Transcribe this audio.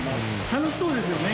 楽しそうですよね